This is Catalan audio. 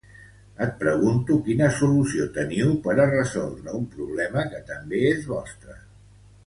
Et pregunto quina solució teniu per a resoldre un problema que també és vostre.